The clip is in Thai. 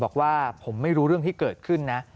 บอกว่าผมไม่รู้เรื่องที่เกิดขึ้นนะ